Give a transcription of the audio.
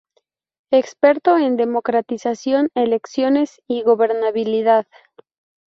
Experto en democratización, elecciones y gobernabilidad.